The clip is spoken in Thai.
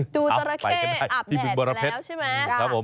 ดูตราแคอับแสงไปแล้วใช่มั้ย